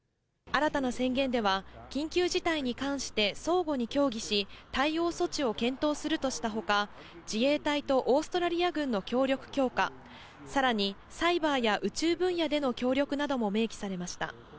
新たな宣言では、緊急事態に関して相互に協議し、対応措置を検討するとしたほか、自衛隊とオーストラリア軍の協力強化、さらに、サイバーや宇宙分野での協力なども明記されました。